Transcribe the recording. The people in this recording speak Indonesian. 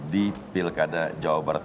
di pilkada jawa barat